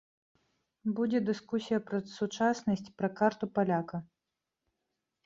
Будзе дыскусія пра сучаснасць, пра карту паляка.